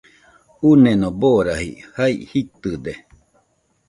Uneno baraji, jea jitɨde